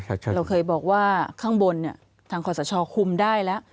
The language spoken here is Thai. เราเคยบอกว่าข้างบนทางขอสชคุมได้แล้ว